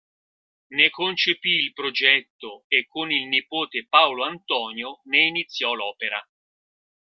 Ne concepì il progetto e con il nipote Paolo Antonio ne iniziò l'opera.